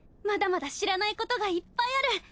まだまだ知らないことがいっぱいある！